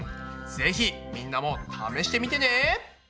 ぜひみんなも試してみてね！